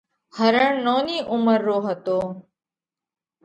هرڻ نونِي عُمر رو هتو۔